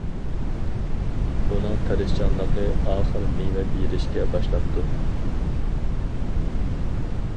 ئۇنىڭ تىرىشچانلىقى ئاخىر مېۋە بېرىشكە باشلاپتۇ.